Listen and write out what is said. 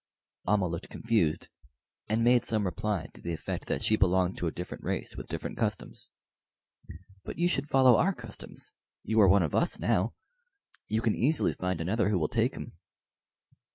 Almah looked confused, and made some reply to the effect that she belonged to a different race with different customs. "But you should follow our customs. You are one of us now. You can easily find another who will take him."